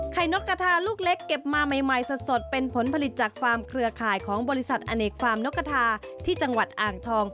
นกกระทาลูกเล็กเก็บมาใหม่สดเป็นผลผลิตจากฟาร์มเครือข่ายของบริษัทอเนกฟาร์มนกกระทาที่จังหวัดอ่างทอง